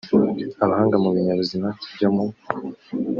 abahanga mu binyabuzima byo mu